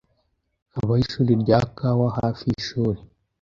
Habaho ishuri rya kawa hafi yishuri.